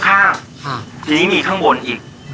ทีนี้มีข้างบนอีก